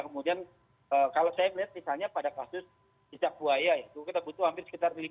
kemudian kalau saya melihat misalnya pada kasus cicak buaya itu kita butuh hampir sekitar lima enam bulan